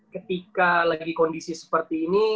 ketika lagi kondisi seperti ini